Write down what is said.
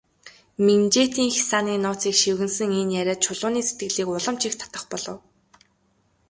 Минжээтийн хясааны нууцыг шивгэнэсэн энэ яриа Чулууны сэтгэлийг улам ч их татах болов.